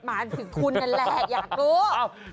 หมายถึงคุณนั่นแหละอยากรู้